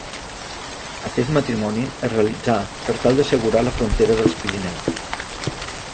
Aquest matrimoni es realitzà per tal d'assegurar la frontera dels Pirineus.